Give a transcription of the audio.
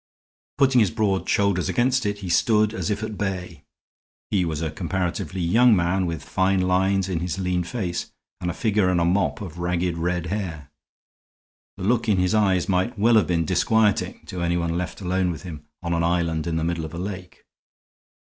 Putting his broad shoulders against it, he stood as if at bay; he was a comparatively young man, with fine lines in his lean face and figure and a mop of ragged red hair. The look in his eyes might well have been disquieting to anyone left alone with him on an island in the middle of a lake.